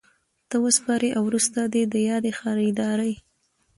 ته وسپاري او وروسته دي د یادي خریدارۍ